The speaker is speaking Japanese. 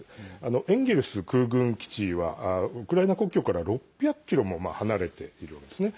エンゲルス空軍基地はウクライナ国境から６００ｋｍも離れているんですね。